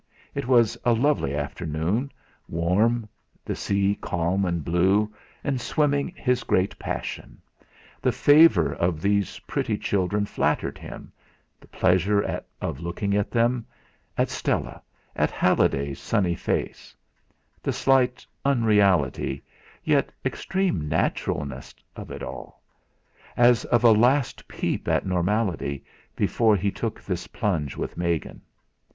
It was a lovely afternoon, warm, the sea calm and blue, and swimming his great passion; the favour of these pretty children flattered him, the pleasure of looking at them, at Stella, at Halliday's sunny face; the slight unreality, yet extreme naturalness of it all as of a last peep at normality before he took this plunge with Megan!